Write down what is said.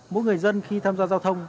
mỗi người dân khi tham gia giao thông